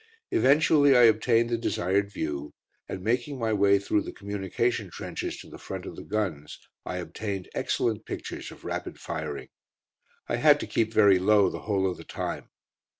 Eventually I obtained the desired view, and making my way through the communication trenches to the front of the guns, I obtained excellent pictures of rapid firing. I had to keep very low the whole of the time.